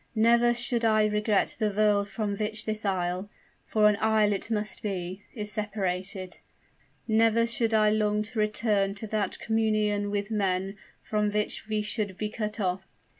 Never should I regret the world from which this isle for an isle it must be is separated! Never should I long to return to that communion with men from which we should be cut off!